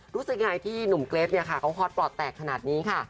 รู้สึกยังไงที่หนุ่มเกรทเขาฮอตปลอดแตกขนาดนี้ค่ะ